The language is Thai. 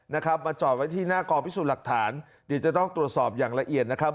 นะครับมาจอดไว้ที่หน้ากองพิสูจน์หลักฐานเดี๋ยวจะต้องตรวจสอบอย่างละเอียดนะครับ